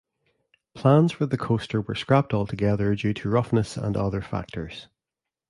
Plans for the coaster were scrapped altogether due to roughness and other factors.